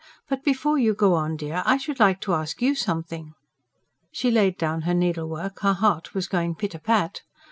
"But before you go on, dear, I should like to ask YOU something." She laid down her needlework; her heart was going pit a pat.